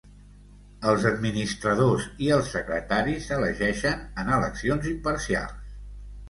Els administradors i el secretari s'elegeixen en eleccions imparcials.